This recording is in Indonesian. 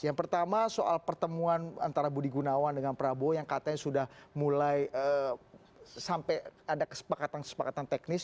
yang pertama soal pertemuan antara budi gunawan dengan prabowo yang katanya sudah mulai sampai ada kesepakatan kesepakatan teknis